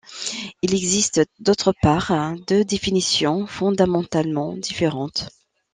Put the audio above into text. Il existe d'autre part deux définitions fondamentalement différentes.